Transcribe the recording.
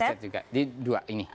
kaget juga di dua ini